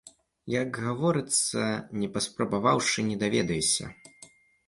Як гаворыцца, не паспрабаваўшы, не даведаешся.